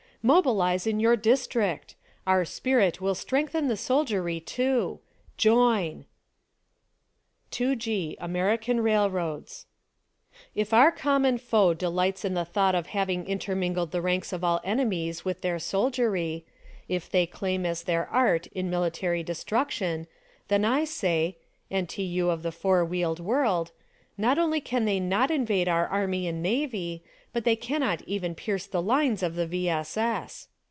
Mobilize in your district! Our spirit will strengthen the soldiery, too! Join ! 2G. American Railroads. If our common foe delights in the thought of having intermingled the ranks of all enemies with their soldiery; if they claim as their art in military destruction, then I say — and to 3'ou of the four wheeled world : Not only can thev not invade our Army or Navy, but that they cannot even pierce the lines of the V. S. S.